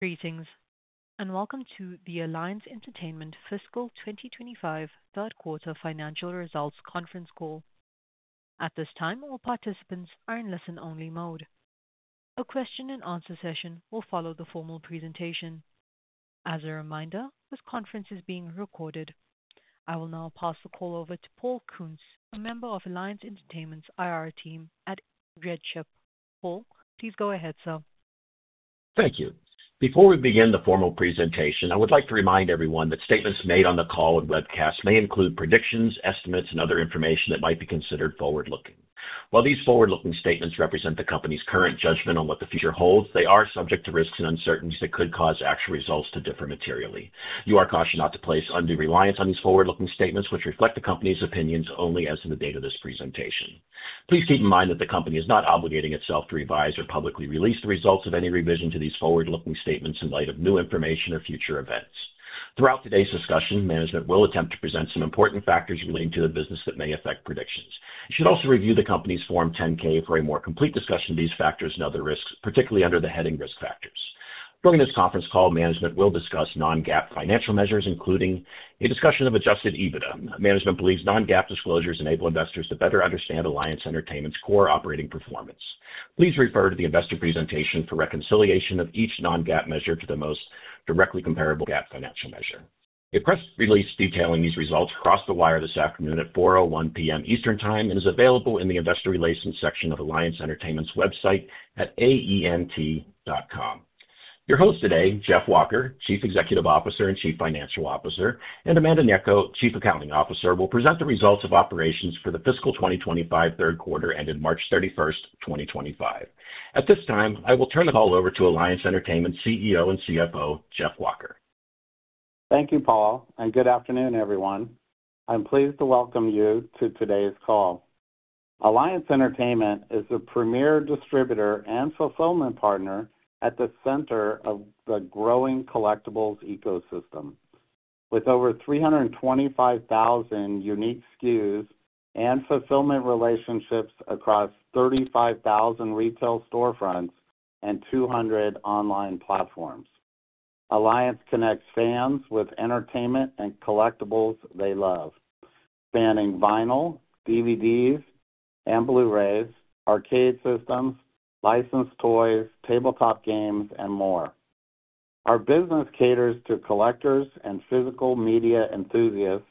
Greetings, and welcome to the Alliance Entertainment fiscal 2025 third quarter financial results conference call. At this time, all participants are in listen-only mode. A question-and-answer session will follow the formal presentation. As a reminder, this conference is being recorded. I will now pass the call over to Paul Kuntz, a member of Alliance Entertainment's IR team at RedChip. Paul, please go ahead, sir. Thank you. Before we begin the formal presentation, I would like to remind everyone that statements made on the call and webcast may include predictions, estimates, and other information that might be considered forward-looking. While these forward-looking statements represent the company's current judgment on what the future holds, they are subject to risks and uncertainties that could cause actual results to differ materially. You are cautioned not to place undue reliance on these forward-looking statements, which reflect the company's opinions only as of the date of this presentation. Please keep in mind that the company is not obligating itself to revise or publicly release the results of any revision to these forward-looking statements in light of new information or future events. Throughout today's discussion, management will attempt to present some important factors relating to the business that may affect predictions. You should also review the company's Form 10-K for a more complete discussion of these factors and other risks, particularly under the heading Risk Factors. During this conference call, management will discuss non-GAAP financial measures, including a discussion of adjusted EBITDA. Management believes non-GAAP disclosures enable investors to better understand Alliance Entertainment's core operating performance. Please refer to the investor presentation for reconciliation of each non-GAAP measure to the most directly comparable GAAP financial measure. A press release detailing these results crossed the wire this afternoon at 4:01 P.M. Eastern Time and is available in the investor relations section of Alliance Entertainment's website at aent.com. Your hosts today, Jeff Walker, Chief Executive Officer and Chief Financial Officer, and Amanda Gnecco, Chief Accounting Officer, will present the results of operations for the fiscal 2025 third quarter ended March 31st, 2025. At this time, I will turn the call over to Alliance Entertainment's CEO and CFO, Jeff Walker. Thank you, Paul, and good afternoon, everyone. I'm pleased to welcome you to today's call. Alliance Entertainment is the premier distributor and fulfillment partner at the center of the growing collectibles ecosystem, with over 325,000 unique SKUs and fulfillment relationships across 35,000 retail storefronts and 200 online platforms. Alliance connects fans with entertainment and collectibles they love, spanning vinyl, DVDs, and Blu-rays, arcade systems, licensed toys, tabletop games, and more. Our business caters to collectors and physical media enthusiasts,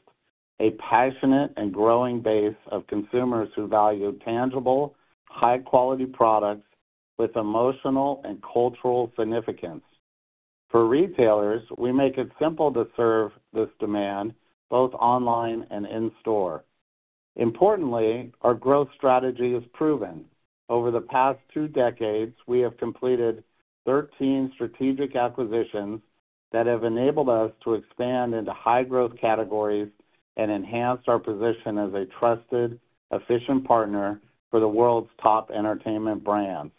a passionate and growing base of consumers who value tangible, high-quality products with emotional and cultural significance. For retailers, we make it simple to serve this demand both online and in store. Importantly, our growth strategy is proven. Over the past two decades, we have completed 13 strategic acquisitions that have enabled us to expand into high-growth categories and enhanced our position as a trusted, efficient partner for the world's top entertainment brands.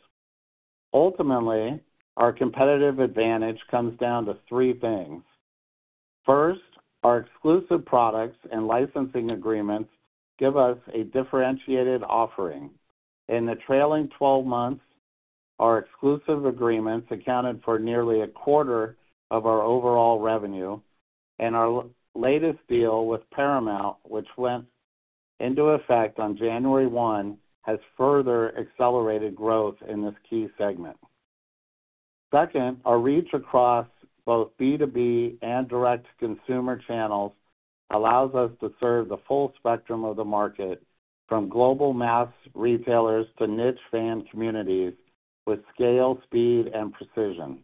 Ultimately, our competitive advantage comes down to three things. First, our exclusive products and licensing agreements give us a differentiated offering. In the trailing 12 months, our exclusive agreements accounted for nearly a quarter of our overall revenue, and our latest deal with Paramount, which went into effect on January 1, has further accelerated growth in this key segment. Second, our reach across both B2B and direct-to-consumer channels allows us to serve the full spectrum of the market, from global mass retailers to niche fan communities, with scale, speed, and precision.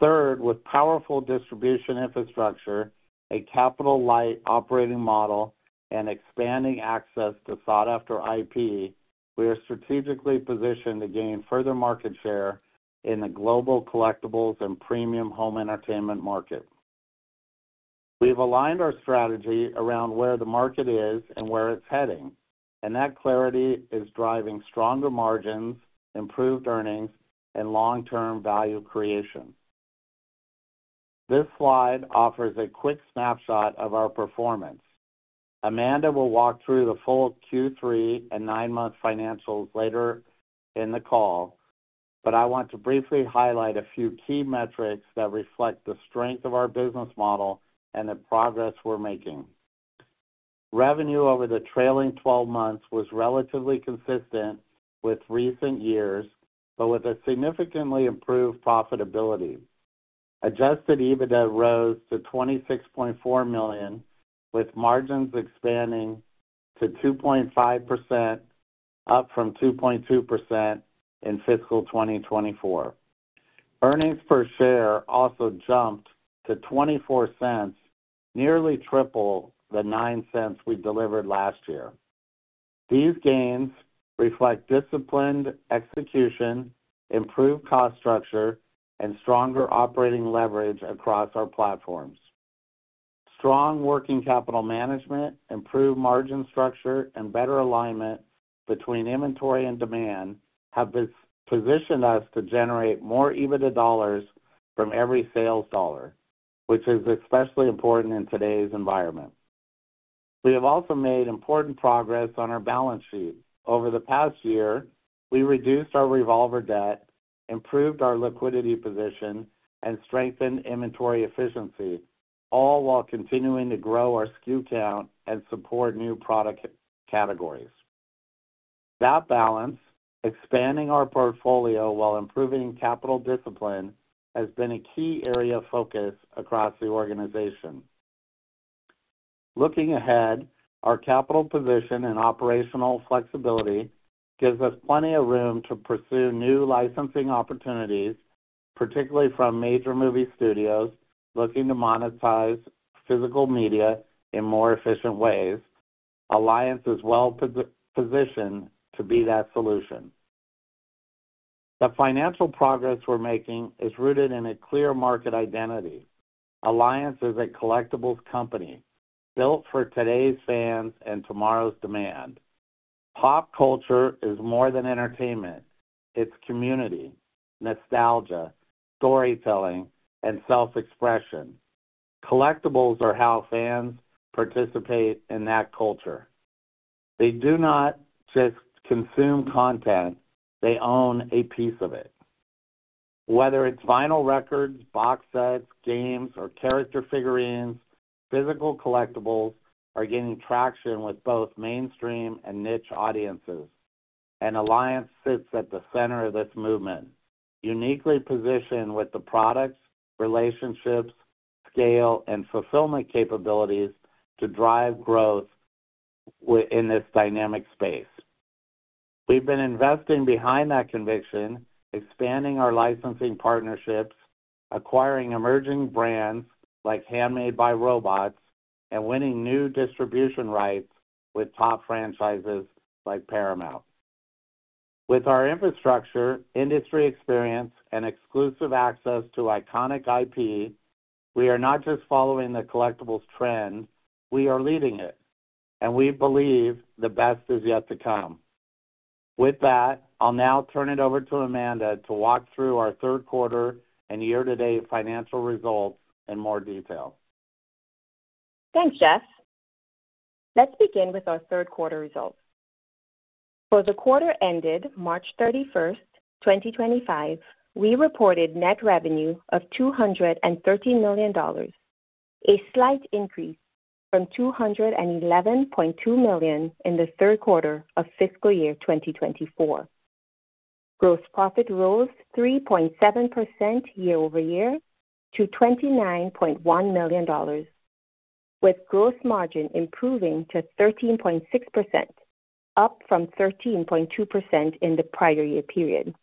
Third, with powerful distribution infrastructure, a capital-light operating model, and expanding access to sought-after IP, we are strategically positioned to gain further market share in the global collectibles and premium home entertainment market. We have aligned our strategy around where the market is and where it is heading, and that clarity is driving stronger margins, improved earnings, and long-term value creation. This slide offers a quick snapshot of our performance. Amanda will walk through the full Q3 and nine-month financials later in the call, but I want to briefly highlight a few key metrics that reflect the strength of our business model and the progress we are making. Revenue over the trailing 12 months was relatively consistent with recent years, but with significantly improved profitability. Adjusted EBITDA rose to $26.4 million, with margins expanding to 2.5%, up from 2.2% in fiscal 2024. Earnings per share also jumped to $0.24, nearly triple the $0.09 we delivered last year. These gains reflect disciplined execution, improved cost structure, and stronger operating leverage across our platforms. Strong working capital management, improved margin structure, and better alignment between inventory and demand have positioned us to generate more EBITDA dollars from every sales dollar, which is especially important in today's environment. We have also made important progress on our balance sheet. Over the past year, we reduced our revolver debt, improved our liquidity position, and strengthened inventory efficiency, all while continuing to grow our SKU count and support new product categories. That balance, expanding our portfolio while improving capital discipline, has been a key area of focus across the organization. Looking ahead, our capital position and operational flexibility gives us plenty of room to pursue new licensing opportunities, particularly from major movie studios looking to monetize physical media in more efficient ways. Alliance is well positioned to be that solution. The financial progress we're making is rooted in a clear market identity. Alliance is a collectibles company built for today's fans and tomorrow's demand. Pop culture is more than entertainment; it's community, nostalgia, storytelling, and self-expression. Collectibles are how fans participate in that culture. They do not just consume content; they own a piece of it. Whether it's vinyl records, box sets, games, or character figurines, physical collectibles are gaining traction with both mainstream and niche audiences, and Alliance sits at the center of this movement, uniquely positioned with the products, relationships, scale, and fulfillment capabilities to drive growth in this dynamic space. We've been investing behind that conviction, expanding our licensing partnerships, acquiring emerging brands like Handmade by Robots, and winning new distribution rights with top franchises like Paramount. With our infrastructure, industry experience, and exclusive access to iconic IP, we are not just following the collectibles trend, we are leading it, and we believe the best is yet to come. With that, I'll now turn it over to Amanda to walk through our third quarter and year-to-date financial results in more detail. Thanks, Jeff. Let's begin with our third quarter results. For the quarter ended March 31st, 2025, we reported net revenue of $213 million, a slight increase from $211.2 million in the third quarter of fiscal year 2024. Gross profit rose 3.7% year-over-year to $29.1 million, with gross margin improving to 13.6%, up from 13.2% in the prior year period.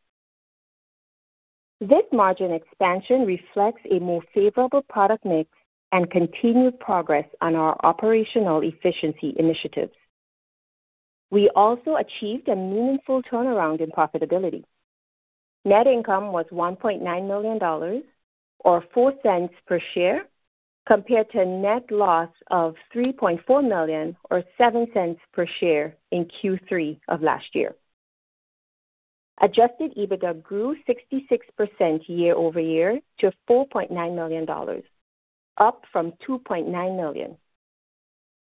This margin expansion reflects a more favorable product mix and continued progress on our operational efficiency initiatives. We also achieved a meaningful turnaround in profitability. Net income was $1.9 million, or $0.04 per share, compared to a net loss of $3.4 million, or $0.07 per share, in Q3 of last year. Adjusted EBITDA grew 66% year-over-year to $4.9 million, up from $2.9 million.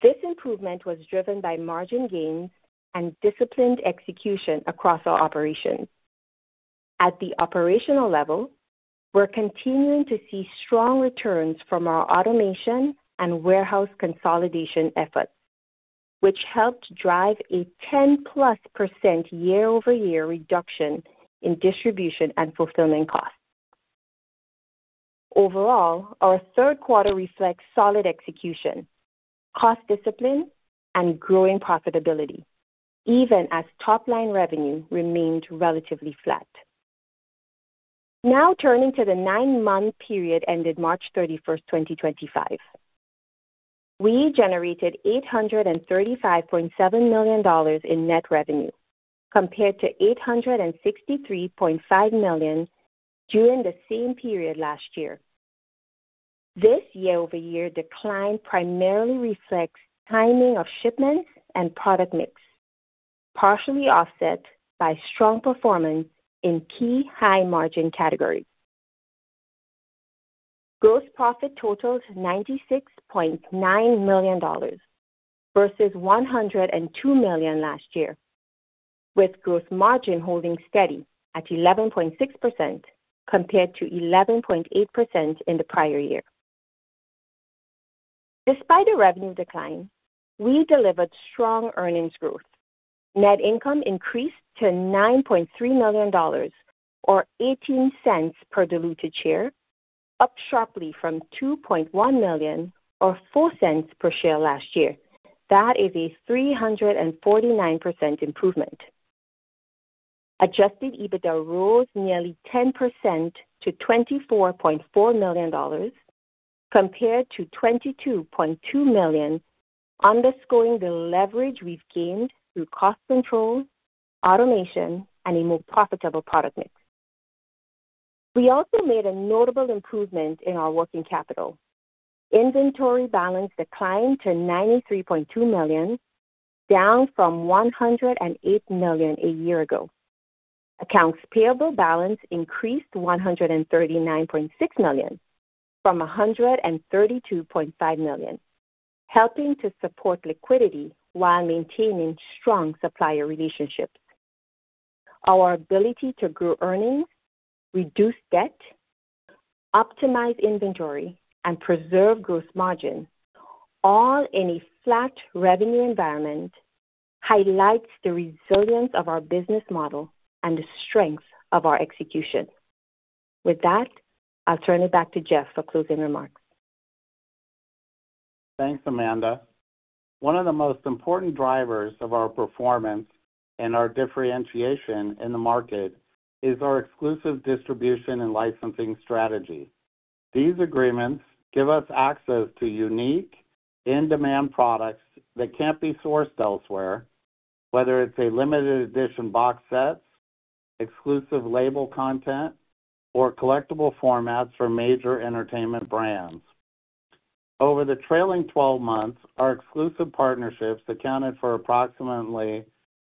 This improvement was driven by margin gains and disciplined execution across our operations. At the operational level, we're continuing to see strong returns from our automation and warehouse consolidation efforts, which helped drive a 10%+ year-over-year reduction in distribution and fulfillment costs. Overall, our third quarter reflects solid execution, cost discipline, and growing profitability, even as top-line revenue remained relatively flat. Now turning to the nine-month period ended March 31st, 2025. We generated $835.7 million in net revenue, compared to $863.5 million during the same period last year. This year-over-year decline primarily reflects timing of shipments and product mix, partially offset by strong performance in key high-margin categories. Gross profit totaled $96.9 million versus $102 million last year, with gross margin holding steady at 11.6% compared to 11.8% in the prior year. Despite the revenue decline, we delivered strong earnings growth. Net income increased to $9.3 million, or $0.18 per diluted share, up sharply from $2.1 million, or $0.04 per share last year. That is a 349% improvement. Adjusted EBITDA rose nearly 10% to $24.4 million, compared to $22.2 million, underscoring the leverage we've gained through cost control, automation, and a more profitable product mix. We also made a notable improvement in our working capital. Inventory balance declined to $93.2 million, down from $108 million a year ago. Accounts payable balance increased to $139.6 million from $132.5 million, helping to support liquidity while maintaining strong supplier relationships. Our ability to grow earnings, reduce debt, optimize inventory, and preserve gross margin, all in a flat revenue environment, highlights the resilience of our business model and the strength of our execution. With that, I'll turn it back to Jeff for closing remarks. Thanks, Amanda. One of the most important drivers of our performance and our differentiation in the market is our exclusive distribution and licensing strategy. These agreements give us access to unique, in-demand products that can't be sourced elsewhere, whether it's a limited-edition box set, exclusive label content, or collectible formats from major entertainment brands. Over the trailing 12 months, our exclusive partnerships accounted for approximately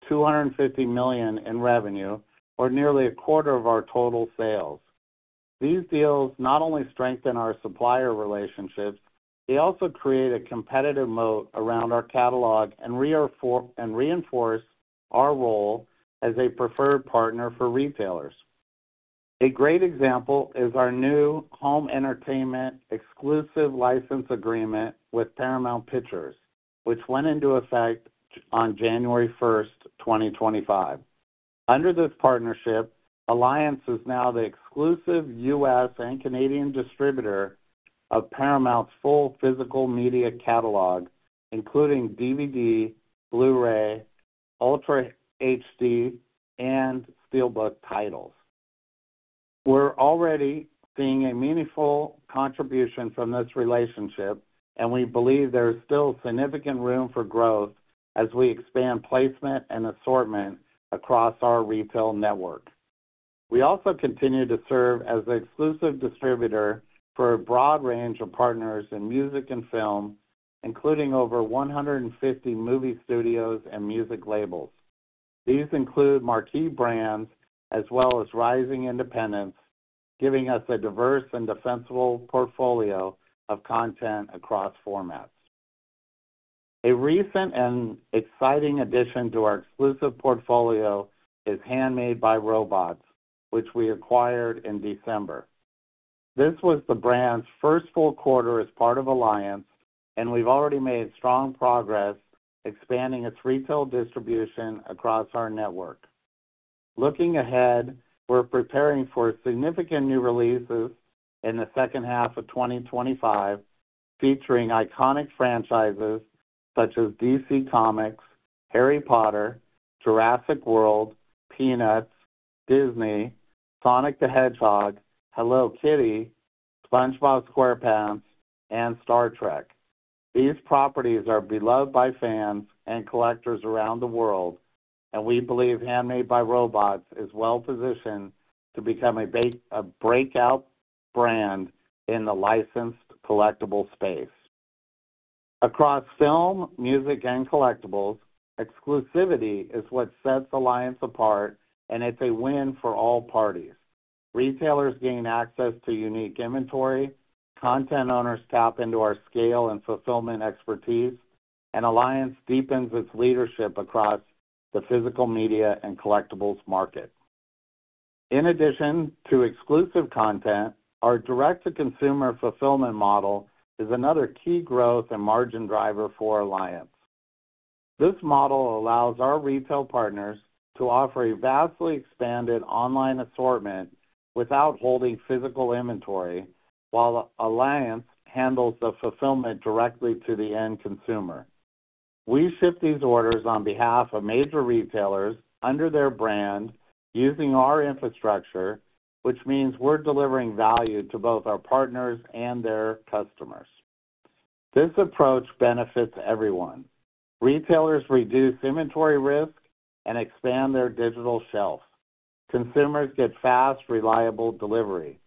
$250 million in revenue, or nearly a quarter of our total sales. These deals not only strengthen our supplier relationships, they also create a competitive moat around our catalog and reinforce our role as a preferred partner for retailers. A great example is our new home entertainment exclusive license agreement with Paramount Pictures, which went into effect on January 1st, 2025. Under this partnership, Alliance is now the exclusive U.S. and Canadian distributor of Paramount's full physical media catalog, including DVD, Blu-ray, Ultra HD, and SteelBook titles. We're already seeing a meaningful contribution from this relationship, and we believe there is still significant room for growth as we expand placement and assortment across our retail network. We also continue to serve as an exclusive distributor for a broad range of partners in music and film, including over 150 movie studios and music labels. These include marquee brands as well as rising independents, giving us a diverse and defensible portfolio of content across formats. A recent and exciting addition to our exclusive portfolio is Handmade by Robots, which we acquired in December. This was the brand's first full quarter as part of Alliance, and we've already made strong progress expanding its retail distribution across our network. Looking ahead, we're preparing for significant new releases in the second half of 2025, featuring iconic franchises such as DC Comics, Harry Potter, Jurassic World, Peanuts, Disney, Sonic the Hedgehog, Hello Kitty, SpongeBob SquarePants, and Star Trek. These properties are beloved by fans and collectors around the world, and we believe Handmade by Robots is well positioned to become a breakout brand in the licensed collectible space. Across film, music, and collectibles, exclusivity is what sets Alliance apart, and it's a win for all parties. Retailers gain access to unique inventory, content owners tap into our scale and fulfillment expertise, and Alliance deepens its leadership across the physical media and collectibles market. In addition to exclusive content, our direct-to-consumer fulfillment model is another key growth and margin driver for Alliance. This model allows our retail partners to offer a vastly expanded online assortment without holding physical inventory, while Alliance handles the fulfillment directly to the end consumer. We ship these orders on behalf of major retailers under their brand using our infrastructure, which means we're delivering value to both our partners and their customers. This approach benefits everyone. Retailers reduce inventory risk and expand their digital shelf. Consumers get fast, reliable delivery,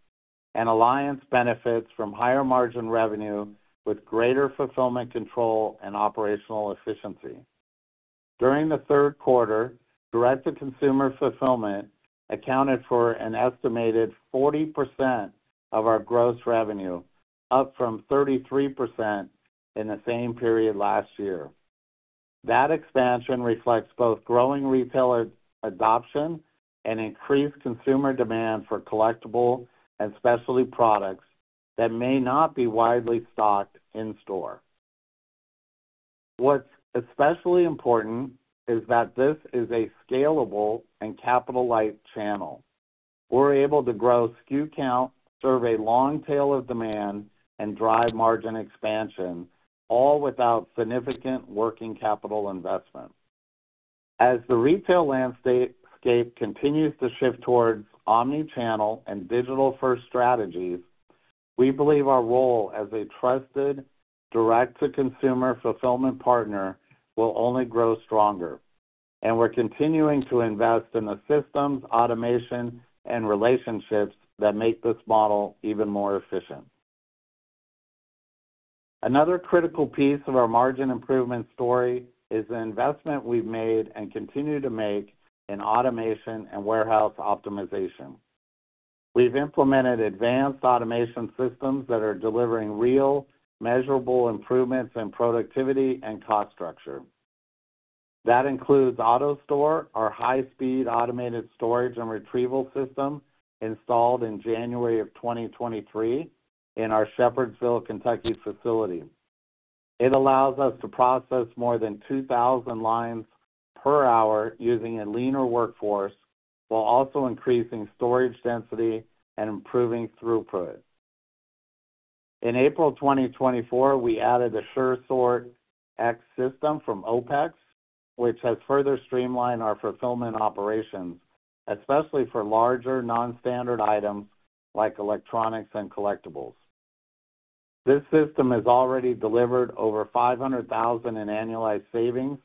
and Alliance benefits from higher margin revenue with greater fulfillment control and operational efficiency. During the third quarter, direct-to-consumer fulfillment accounted for an estimated 40% of our gross revenue, up from 33% in the same period last year. That expansion reflects both growing retailer adoption and increased consumer demand for collectible and specialty products that may not be widely stocked in store. What's especially important is that this is a scalable and capital-light channel. We're able to grow SKU count, survey long tail of demand, and drive margin expansion, all without significant working capital investment. As the retail landscape continues to shift towards omnichannel and digital-first strategies, we believe our role as a trusted direct-to-consumer fulfillment partner will only grow stronger, and we're continuing to invest in the systems, automation, and relationships that make this model even more efficient. Another critical piece of our margin improvement story is the investment we've made and continue to make in automation and warehouse optimization. We've implemented advanced automation systems that are delivering real, measurable improvements in productivity and cost structure. That includes AutoStore, our high-speed automated storage and retrieval system installed in January of 2023 in our Shepherdsville, Kentucky facility. It allows us to process more than 2,000 lines per hour using a leaner workforce while also increasing storage density and improving throughput. In April 2024, we added the Sure Sort X system from OPEX, which has further streamlined our fulfillment operations, especially for larger non-standard items like electronics and collectibles. This system has already delivered over $500,000 in annualized savings,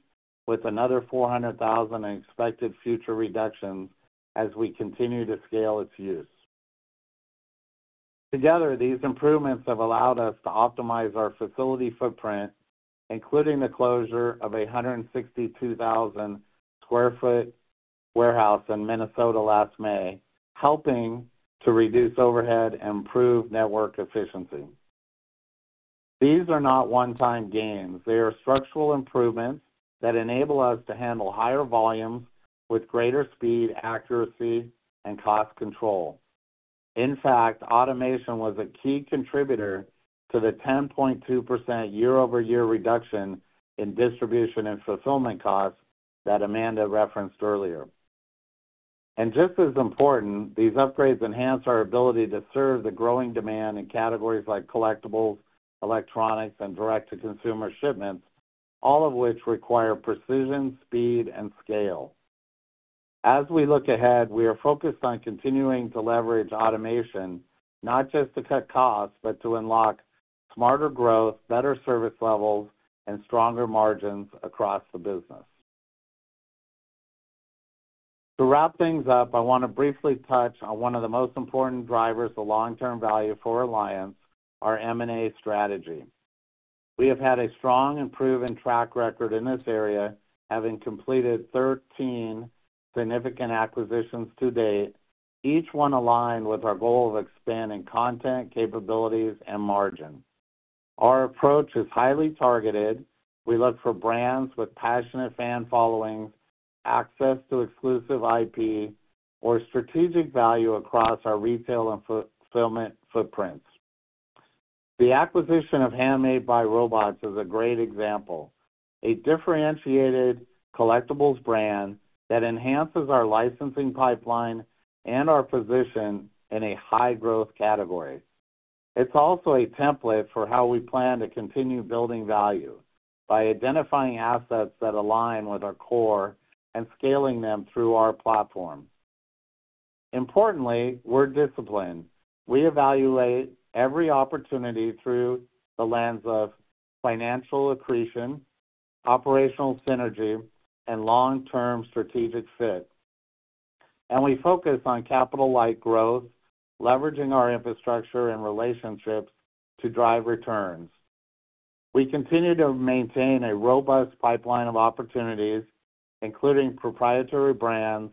with another $400,000 in expected future reductions as we continue to scale its use. Together, these improvements have allowed us to optimize our facility footprint, including the closure of a 162,000 sq ft warehouse in Minnesota last May, helping to reduce overhead and improve network efficiency. These are not one-time gains. They are structural improvements that enable us to handle higher volumes with greater speed, accuracy, and cost control. In fact, automation was a key contributor to the 10.2% year-over-year reduction in distribution and fulfillment costs that Amanda referenced earlier. Just as important, these upgrades enhance our ability to serve the growing demand in categories like collectibles, electronics, and direct-to-consumer shipments, all of which require precision, speed, and scale. As we look ahead, we are focused on continuing to leverage automation, not just to cut costs, but to unlock smarter growth, better service levels, and stronger margins across the business. To wrap things up, I want to briefly touch on one of the most important drivers of long-term value for Alliance, our M&A strategy. We have had a strong and proven track record in this area, having completed 13 significant acquisitions to date, each one aligned with our goal of expanding content, capabilities, and margin. Our approach is highly targeted. We look for brands with passionate fan followings, access to exclusive IP, or strategic value across our retail and fulfillment footprints. The acquisition of Handmade by Robots is a great example, a differentiated collectibles brand that enhances our licensing pipeline and our position in a high-growth category. It's also a template for how we plan to continue building value by identifying assets that align with our core and scaling them through our platform. Importantly, we're disciplined. We evaluate every opportunity through the lens of financial accretion, operational synergy, and long-term strategic fit. We focus on capital-light growth, leveraging our infrastructure and relationships to drive returns. We continue to maintain a robust pipeline of opportunities, including proprietary brands,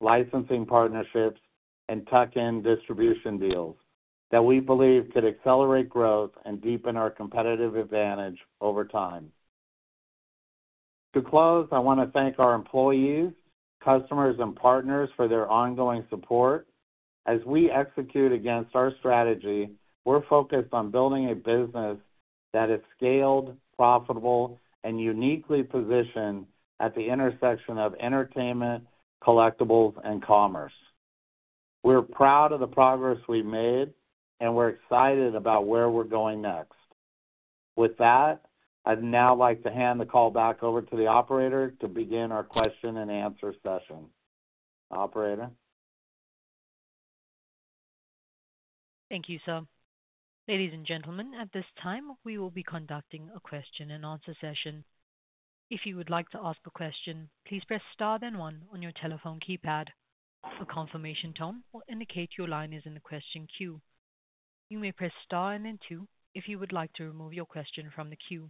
licensing partnerships, and tuck-in distribution deals that we believe could accelerate growth and deepen our competitive advantage over time. To close, I want to thank our employees, customers, and partners for their ongoing support. As we execute against our strategy, we're focused on building a business that is scaled, profitable, and uniquely positioned at the intersection of entertainment, collectibles, and commerce. We're proud of the progress we've made, and we're excited about where we're going next. With that, I'd now like to hand the call back over to the operator to begin our question-and-answer session. Operator. Thank you, sir. Ladies and gentlemen, at this time, we will be conducting a question-and-answer session. If you would like to ask a question, please press star then one on your telephone keypad. A confirmation tone will indicate your line is in the question queue. You may press star and then two if you would like to remove your question from the queue.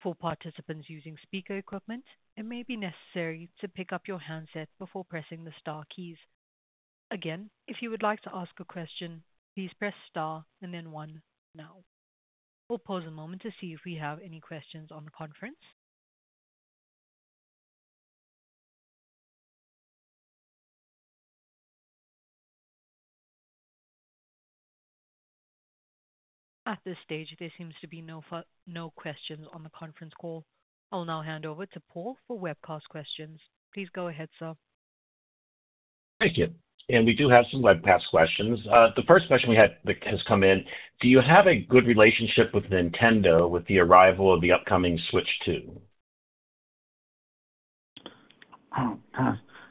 For participants using speaker equipment, it may be necessary to pick up your handset before pressing the star keys. Again, if you would like to ask a question, please press star and then one now. We'll pause a moment to see if we have any questions on the conference. At this stage, there seems to be no questions on the conference call. I'll now hand over to Paul for webcast questions. Please go ahead, sir. Thank you. We do have some webcast questions. The first question we have that has come in, do you have a good relationship with Nintendo with the arrival of the upcoming Switch 2?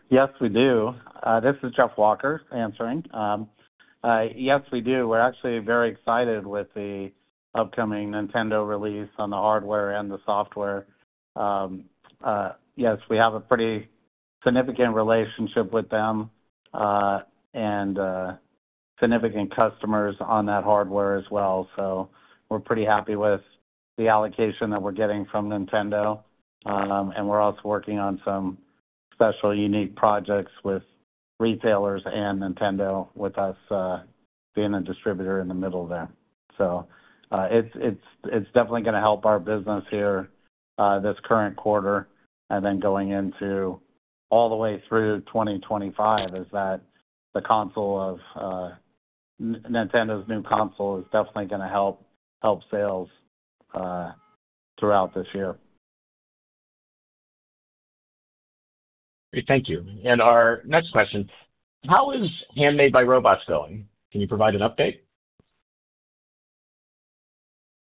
Yes, we do. This is Jeff Walker answering. Yes, we do. We're actually very excited with the upcoming Nintendo release on the hardware and the software. Yes, we have a pretty significant relationship with them and significant customers on that hardware as well. We are pretty happy with the allocation that we're getting from Nintendo. We are also working on some special unique projects with retailers and Nintendo with us being a distributor in the middle there. It is definitely going to help our business here this current quarter and then going into all the way through 2025 as the console of Nintendo's new console is definitely going to help sales throughout this year. Thank you. Our next question, how is Handmade by Robots going? Can you provide an update?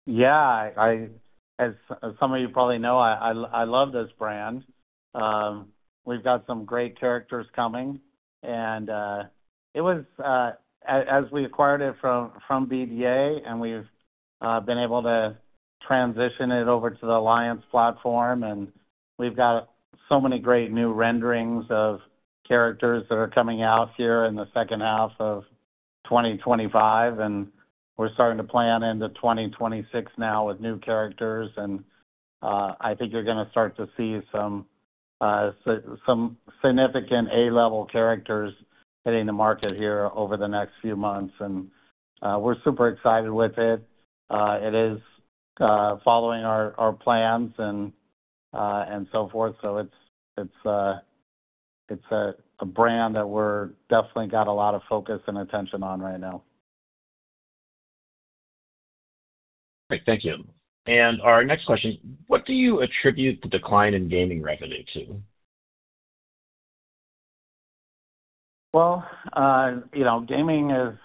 Yeah. As some of you probably know, I love this brand. We've got some great characters coming. As we acquired it from BDA, and we've been able to transition it over to the Alliance platform, we've got so many great new renderings of characters that are coming out here in the second half of 2025. We're starting to plan into 2026 now with new characters. I think you're going to start to see some significant A-level characters hitting the market here over the next few months. We're super excited with it. It is following our plans and so forth. It's a brand that we've definitely got a lot of focus and attention on right now. Perfect. Thank you. Our next question, what do you attribute the decline in gaming revenue to? Gaming is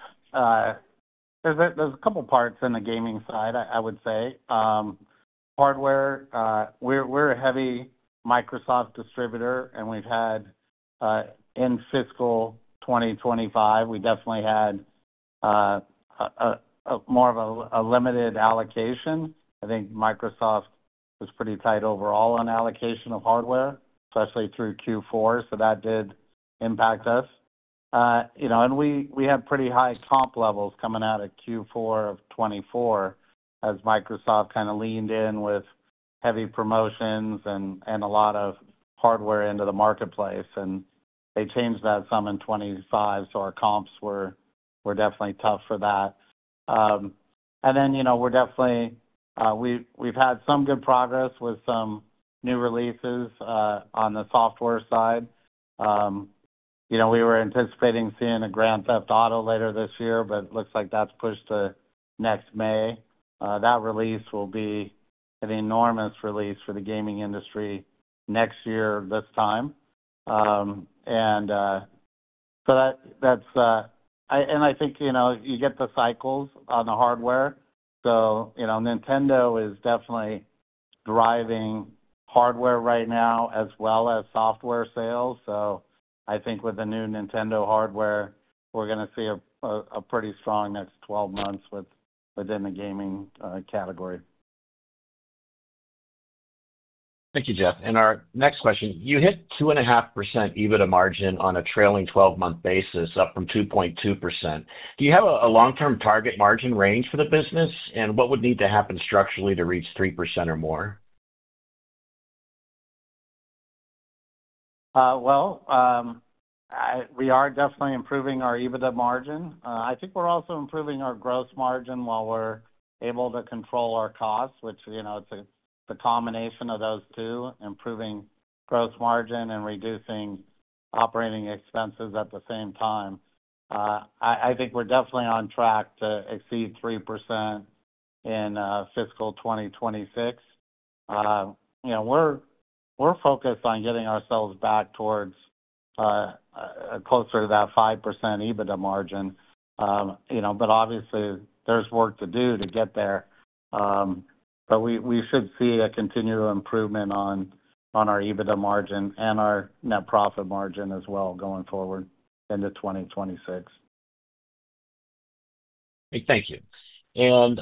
there's a couple of parts in the gaming side, I would say. Hardware, we're a heavy Microsoft distributor, and we've had in fiscal 2025, we definitely had more of a limited allocation. I think Microsoft was pretty tight overall on allocation of hardware, especially through Q4. That did impact us. We had pretty high comp levels coming out of Q4 of 2024 as Microsoft kind of leaned in with heavy promotions and a lot of hardware into the marketplace. They changed that some in 2025. Our comps were definitely tough for that. We have had some good progress with some new releases on the software side. We were anticipating seeing a Grand Theft Auto later this year, but it looks like that's pushed to next May. That release will be an enormous release for the gaming industry next year this time. I think you get the cycles on the hardware. Nintendo is definitely driving hardware right now as well as software sales. I think with the new Nintendo hardware, we're going to see a pretty strong next 12 months within the gaming category. Thank you, Jeff. Our next question, you hit 2.5% EBITDA margin on a trailing 12-month basis, up from 2.2%. Do you have a long-term target margin range for the business? What would need to happen structurally to reach 3% or more? We are definitely improving our EBITDA margin. I think we're also improving our gross margin while we're able to control our costs, which is the combination of those two, improving gross margin and reducing operating expenses at the same time. I think we're definitely on track to exceed 3% in fiscal 2026. We're focused on getting ourselves back towards closer to that 5% EBITDA margin. Obviously, there's work to do to get there. We should see a continual improvement on our EBITDA margin and our net profit margin as well going forward into 2026. Thank you.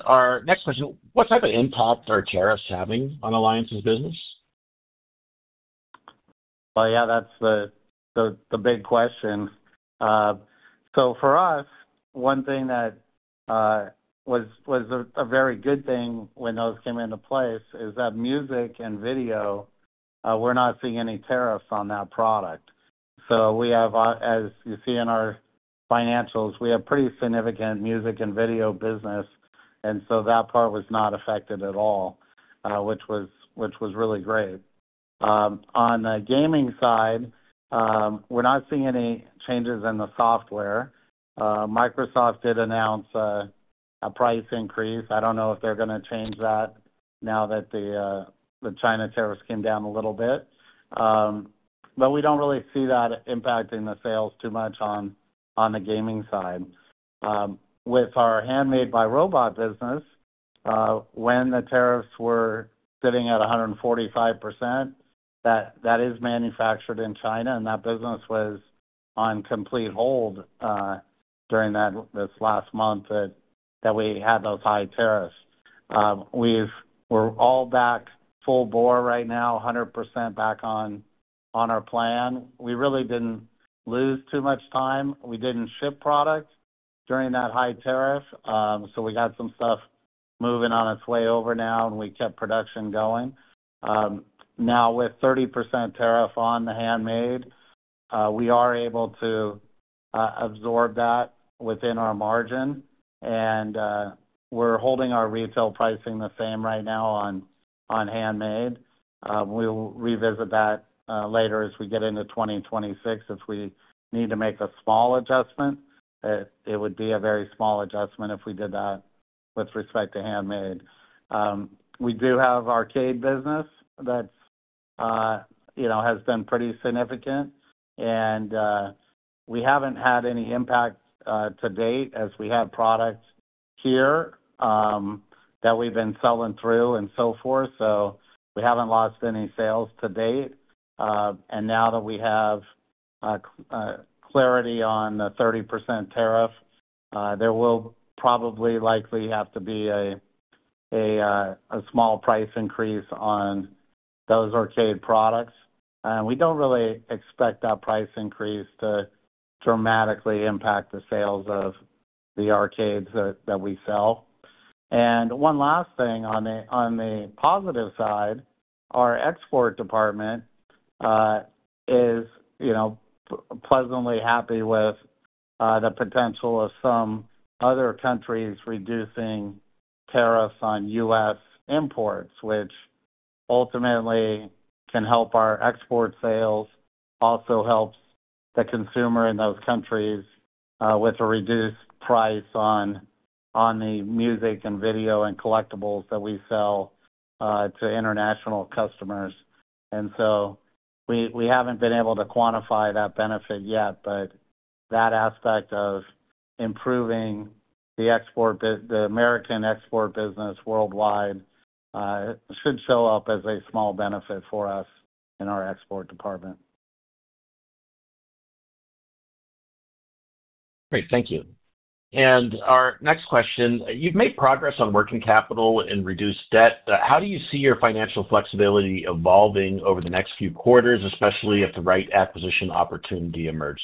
Our next question, what type of impact are tariffs having on Alliance's business? Yeah, that's the big question. For us, one thing that was a very good thing when those came into place is that music and video, we're not seeing any tariffs on that product. As you see in our financials, we have pretty significant music and video business. That part was not affected at all, which was really great. On the gaming side, we're not seeing any changes in the software. Microsoft did announce a price increase. I don't know if they're going to change that now that the China tariffs came down a little bit. We don't really see that impacting the sales too much on the gaming side. With our Handmade by Robots business, when the tariffs were sitting at 145%, that is manufactured in China. That business was on complete hold during this last month that we had those high tariffs. We're all back full bore right now, 100% back on our plan. We really didn't lose too much time. We didn't ship product during that high tariff. We got some stuff moving on its way over now, and we kept production going. Now, with 30% tariff on the handmade, we are able to absorb that within our margin. We're holding our retail pricing the same right now on handmade. We'll revisit that later as we get into 2026 if we need to make a small adjustment. It would be a very small adjustment if we did that with respect to handmade. We do have arcade business that has been pretty significant. We haven't had any impact to date as we have products here that we've been selling through and so forth. We haven't lost any sales to date. Now that we have clarity on the 30% tariff, there will probably likely have to be a small price increase on those arcade products. We do not really expect that price increase to dramatically impact the sales of the arcades that we sell. One last thing on the positive side, our export department is pleasantly happy with the potential of some other countries reducing tariffs on U.S. imports, which ultimately can help our export sales, also helps the consumer in those countries with a reduced price on the music and video and collectibles that we sell to international customers. We have not been able to quantify that benefit yet, but that aspect of improving the American export business worldwide should show up as a small benefit for us in our export department. Great. Thank you. Our next question, you've made progress on working capital and reduced debt. How do you see your financial flexibility evolving over the next few quarters, especially if the right acquisition opportunity emerges?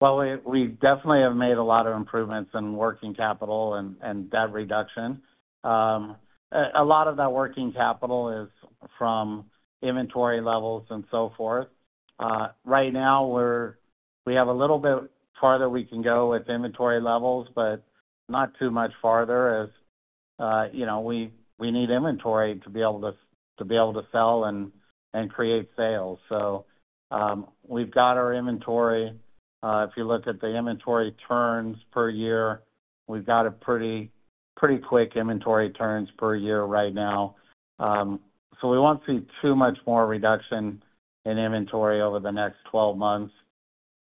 We definitely have made a lot of improvements in working capital and debt reduction. A lot of that working capital is from inventory levels and so forth. Right now, we have a little bit farther we can go with inventory levels, but not too much farther as we need inventory to be able to sell and create sales. We have our inventory. If you look at the inventory turns per year, we have a pretty quick inventory turns per year right now. We will not see too much more reduction in inventory over the next 12 months.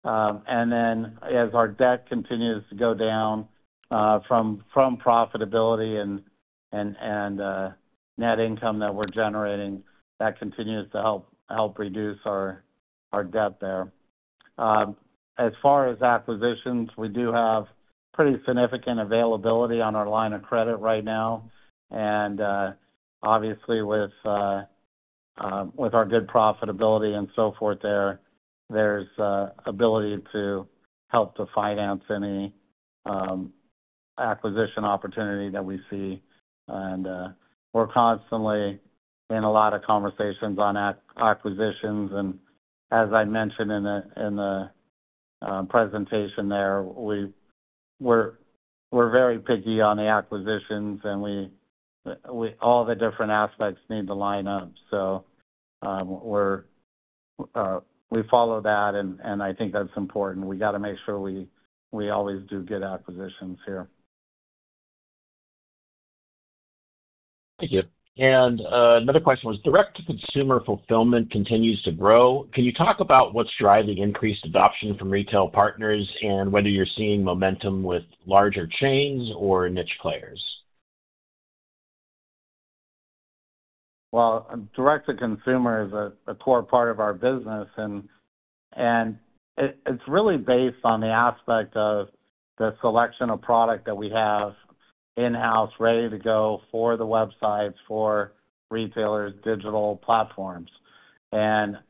As our debt continues to go down from profitability and net income that we are generating, that continues to help reduce our debt there. As far as acquisitions, we do have pretty significant availability on our line of credit right now. Obviously, with our good profitability and so forth there, there's ability to help to finance any acquisition opportunity that we see. We're constantly in a lot of conversations on acquisitions. As I mentioned in the presentation there, we're very picky on the acquisitions, and all the different aspects need to line up. We follow that, and I think that's important. We got to make sure we always do good acquisitions here. Thank you. Another question was direct-to-consumer fulfillment continues to grow. Can you talk about what's driving increased adoption from retail partners and whether you're seeing momentum with larger chains or niche players? Direct-to-consumer is a core part of our business. It is really based on the aspect of the selection of product that we have in-house ready to go for the websites, for retailers, digital platforms. They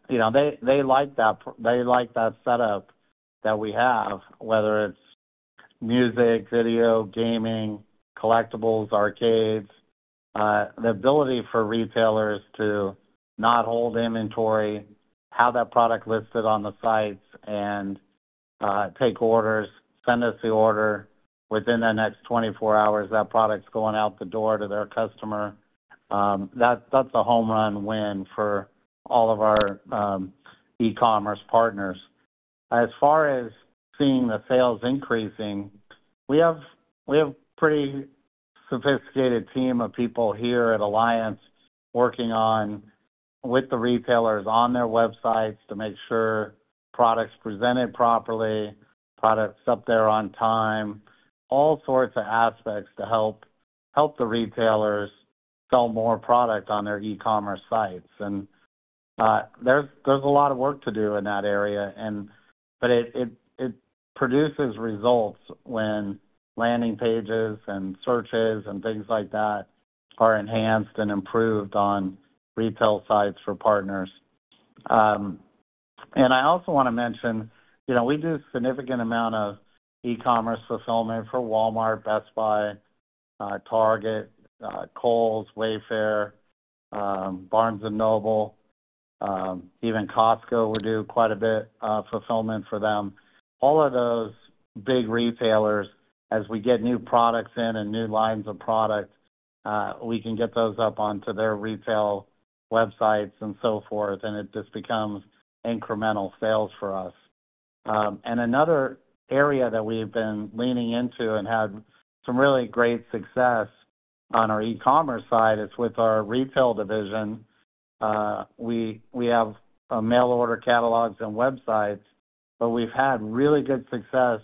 like that setup that we have, whether it is music, video, gaming, collectibles, arcades, the ability for retailers to not hold inventory, have that product listed on the sites, and take orders, send us the order within the next 24 hours, that product is going out the door to their customer. That is a home run win for all of our e-commerce partners. As far as seeing the sales increasing, we have a pretty sophisticated team of people here at Alliance working with the retailers on their websites to make sure products are presented properly, products are up there on time, all sorts of aspects to help the retailers sell more product on their e-commerce sites. There is a lot of work to do in that area. It produces results when landing pages and searches and things like that are enhanced and improved on retail sites for partners. I also want to mention we do a significant amount of e-commerce fulfillment for Walmart, Best Buy, Target, Kohl's, Wayfair, Barnes & Noble, even Costco. We do quite a bit of fulfillment for them. All of those big retailers, as we get new products in and new lines of product, we can get those up onto their retail websites and so forth. It just becomes incremental sales for us. Another area that we have been leaning into and had some really great success on our e-commerce side is with our retail division. We have mail order catalogs and websites, but we've had really good success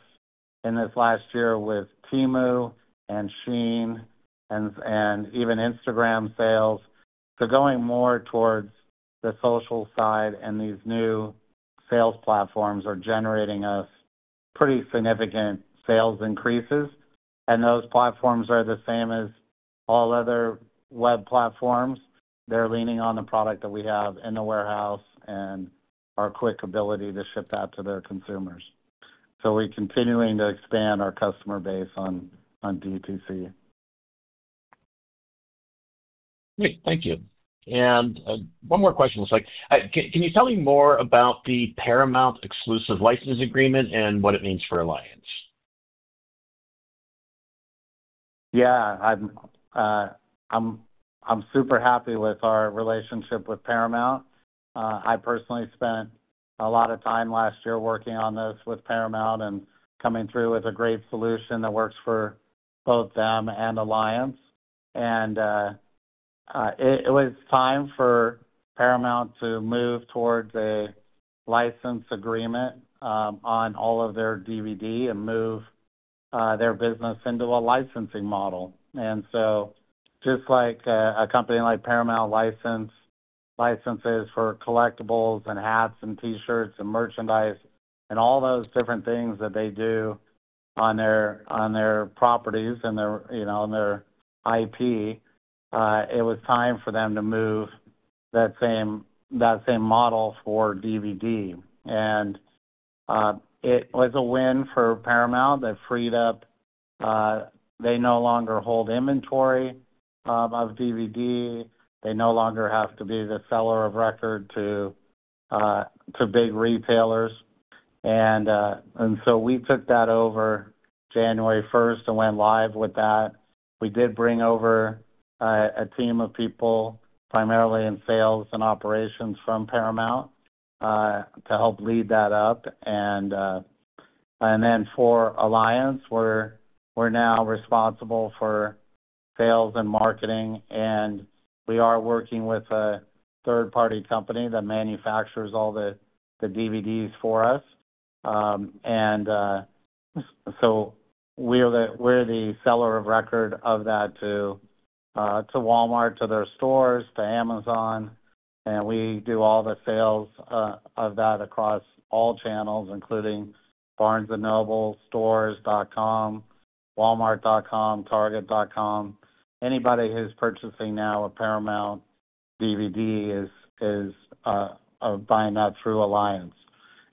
in this last year with Temu and Shein and even Instagram sales. They're going more towards the social side, and these new sales platforms are generating us pretty significant sales increases. These platforms are the same as all other web platforms. They're leaning on the product that we have in the warehouse and our quick ability to ship that to their consumers. We are continuing to expand our customer base on DTC. Great. Thank you. One more question. Can you tell me more about the Paramount Exclusive License Agreement and what it means for Alliance? Yeah. I'm super happy with our relationship with Paramount. I personally spent a lot of time last year working on this with Paramount and coming through with a great solution that works for both them and Alliance. It was time for Paramount to move towards a license agreement on all of their DVD and move their business into a licensing model. Just like a company like Paramount licenses for collectibles and hats and T-shirts and merchandise and all those different things that they do on their properties and their IP, it was time for them to move that same model for DVD. It was a win for Paramount. They freed up. They no longer hold inventory of DVD. They no longer have to be the seller of record to big retailers. We took that over January 1st and went live with that. We did bring over a team of people primarily in sales and operations from Paramount to help lead that up. For Alliance, we're now responsible for sales and marketing. We are working with a third-party company that manufactures all the DVDs for us. We are the seller of record of that to Walmart, to their stores, to Amazon. We do all the sales of that across all channels, including Barnes & Noble, stores.com, walmart.com, target.com. Anybody who's purchasing now a Paramount DVD is buying that through Alliance.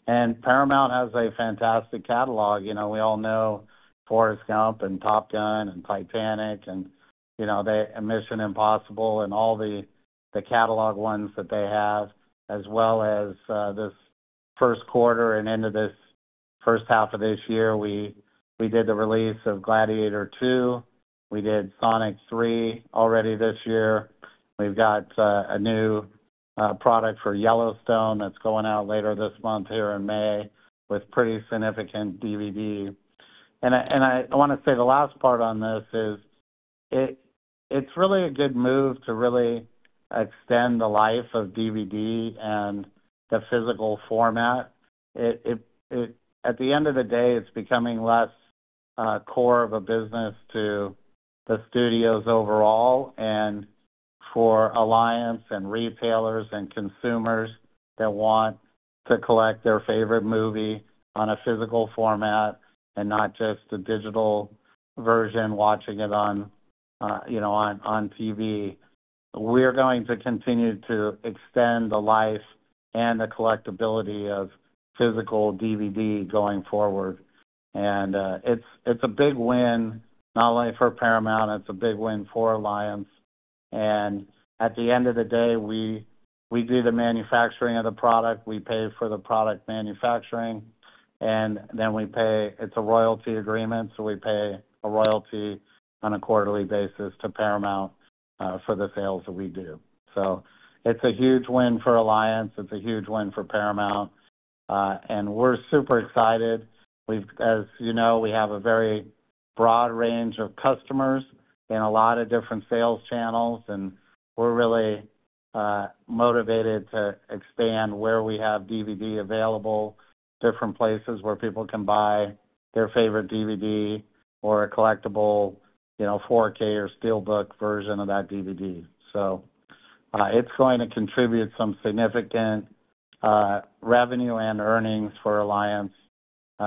Paramount has a fantastic catalog. We all know Forrest Gump and Top Gun and Titanic and Mission Impossible and all the catalog ones that they have, as well as this first quarter and into this first half of this year. We did the release of Gladiator II. We did Sonic 3 already this year. We've got a new product for Yellowstone that's going out later this month here in May with pretty significant DVD. I want to say the last part on this is it's really a good move to really extend the life of DVD and the physical format. At the end of the day, it's becoming less core of a business to the studios overall and for Alliance and retailers and consumers that want to collect their favorite movie on a physical format and not just a digital version watching it on TV. We're going to continue to extend the life and the collectibility of physical DVD going forward. It's a big win not only for Paramount. It's a big win for Alliance. At the end of the day, we do the manufacturing of the product. We pay for the product manufacturing. We pay, it's a royalty agreement. We pay a royalty on a quarterly basis to Paramount for the sales that we do. It's a huge win for Alliance. It's a huge win for Paramount. We're super excited. As you know, we have a very broad range of customers in a lot of different sales channels. We're really motivated to expand where we have DVD available, different places where people can buy their favorite DVD or a collectible 4K or SteelBook version of that DVD. It's going to contribute some significant revenue and earnings for Alliance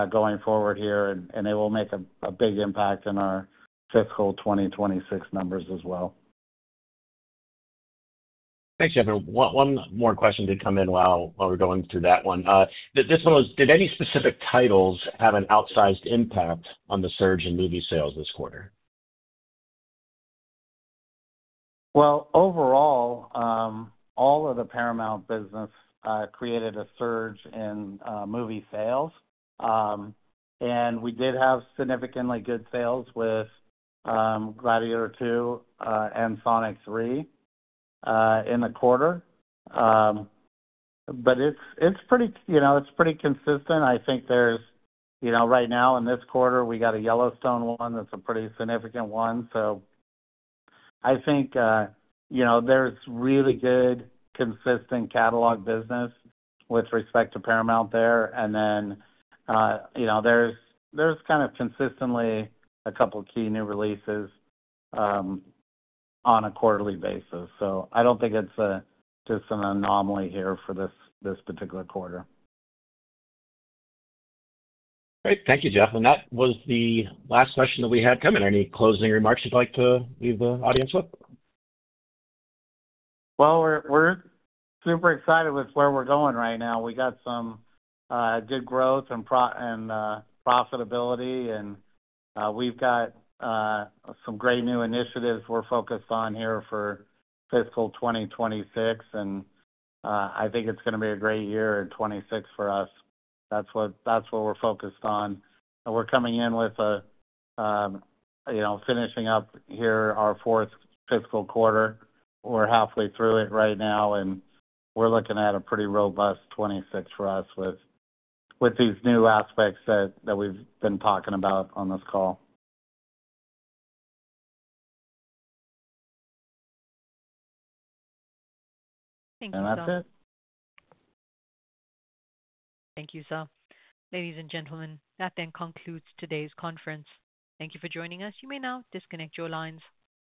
going forward here. It will make a big impact in our fiscal 2026 numbers as well. Thanks, Jeff. One more question did come in while we're going through that one. This one was, did any specific titles have an outsized impact on the surge in movie sales this quarter? Overall, all of the Paramount business created a surge in movie sales. We did have significantly good sales with Gladiator II and Sonic 3 in the quarter. It is pretty consistent. I think right now in this quarter, we got a Yellowstone one that is a pretty significant one. I think there is really good consistent catalog business with respect to Paramount there. There is kind of consistently a couple of key new releases on a quarterly basis. I do not think it is just an anomaly here for this particular quarter. Great. Thank you, Jeff. That was the last question that we had coming. Any closing remarks you'd like to leave the audience with? We are super excited with where we are going right now. We got some good growth and profitability. We have some great new initiatives we are focused on here for fiscal 2026. I think it is going to be a great year in 2026 for us. That is what we are focused on. We are coming in with finishing up here our fourth fiscal quarter. We are halfway through it right now. We are looking at a pretty robust 2026 for us with these new aspects that we have been talking about on this call. Thank you, sir. Thank you, sir. Ladies and gentlemen, that then concludes today's conference. Thank you for joining us. You may now disconnect your lines.